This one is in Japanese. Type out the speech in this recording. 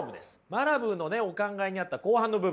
マラブーのお考えにあった後半の部分。